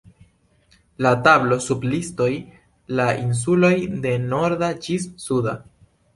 La tablo sub listoj la insuloj de Norda ĝis Suda.